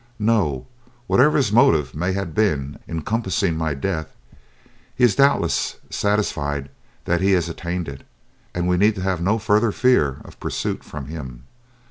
No; whatever his motive may have been in compassing my death, he is doubtless satisfied that he has attained it, and we need have no further fear of pursuit from him.